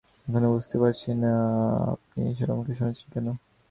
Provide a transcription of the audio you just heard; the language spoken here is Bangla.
এখনো বুঝতে পারছি না, আপনি এসব আমাকে শুনাচ্ছেন কেন।